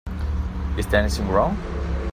Is there anything wrong?